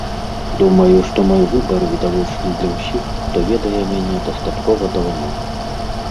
Думаю, што мой выбар відавочны для ўсіх, хто ведае мяне дастаткова даўно.